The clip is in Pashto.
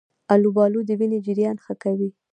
آلوبالو د وینې جریان ښه کوي.